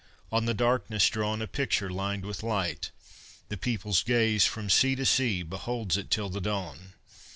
On the darkness drawn, A picture lined with light! The people's gaze, From sea to sea, beholds it till the dawn!